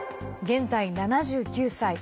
現在、７９歳。